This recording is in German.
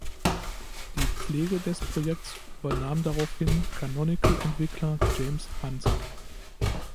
Die Pflege des Projekts übernahm daraufhin Canonical-Entwickler James Hunt.